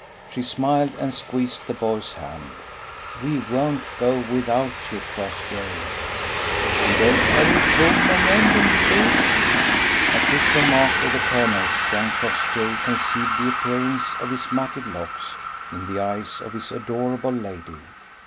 She smiled and squeezed the boy's hand. "We won't go without you, Crossjay." "You don't carry a comb, my man, when you bathe?" At this remark of the colonel's young Crossjay conceived the appearance of his matted locks in the eyes of his adorable lady.